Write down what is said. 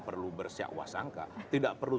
perlu bersyakwa sangka tidak perlu